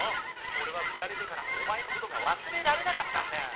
俺はフラれてからもお前のことが忘れられなかったんだ。